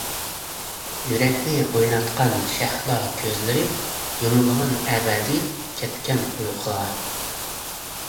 يۈرەكنى ئويناتقان شەھلا كۆزلىرى، يۇمۇلغان ئەبەدىي، كەتكەن ئۇيقۇغا.